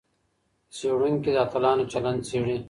څېړونکي د اتلانو چلند څېړي.